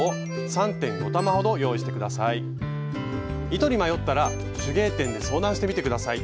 糸に迷ったら手芸店で相談してみて下さい。